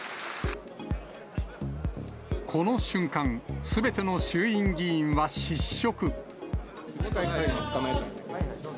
この瞬間、すべての衆院議員は失職。